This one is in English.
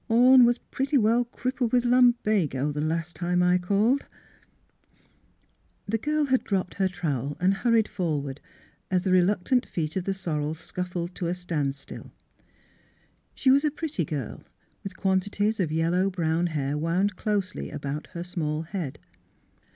Orne was pretty well crippled with lumbago the last time I called." The girl had dropped her trowel and hurried forward, as the reluctant feet of the sorrel scuffled 66 THE HEAET OF PHILUEA to a standstill. She was a pretty girl, with quanti ties of yellow brown hair wound closely about her small head.